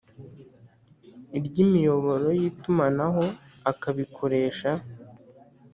iry imiyoboro y itumanaho akabikoresha